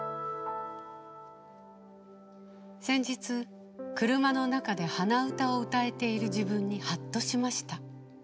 先日、車の中で鼻歌を歌えている自分にはっとしました。